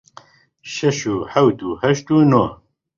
شەش و حەوت و هەشت و نۆ